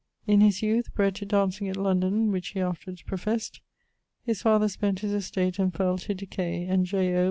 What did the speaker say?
In his youth bred to dancing at London: which he afterwards professed. His father spent his estate and fell to decay; and J. O.